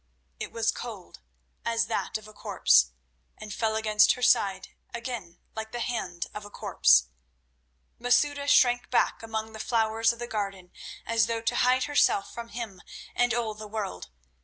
It was cold as that of a corpse, and fell against her side again like the hand of a corpse. Masouda shrank back among the flowers of the garden as though to hide herself from him and all the world.